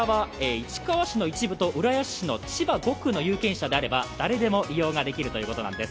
市川市の一部と浦安市の千葉５区の有権者であれば誰でも利用ができるということなんです。